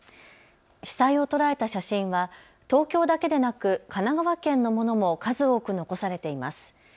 被災を捉えた写真は東京だけでなく神奈川県のものも数多く残されています。